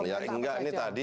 ya enggak ini tadi